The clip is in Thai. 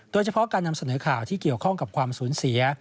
โดยเฉพาะการนำเสนอข่าวที่เกี่ยวข้องกับความสูญเสีย